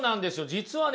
実はね